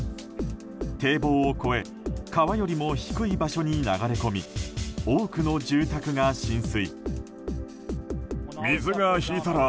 堤防を越え川よりも低い場所に流れ込み多くの住宅が浸水。